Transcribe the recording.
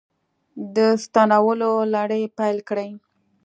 د ستنولو لړۍ پیل کړې